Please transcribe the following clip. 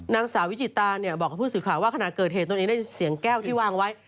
นางสาวิจิตาบอกกับผู้สื่อข่าวว่าขณะเกิดเหตุตรงนี้ได้เสียงแก้วที่วางไว้